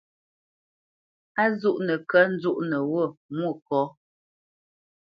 Á zoʼnə kə̂ nzóʼnə wô Mwôkɔ̌?